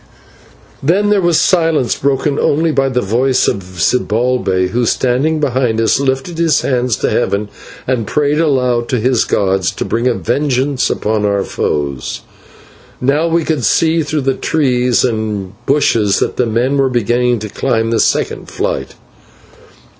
Then there was silence, broken only by the voice of Zibalbay, who, standing behind us, lifted his hands to heaven and prayed aloud to his gods to bring a vengeance upon our foes. Now we could see through the trees and bushes that the men were beginning to climb the second flight.